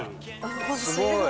すごい。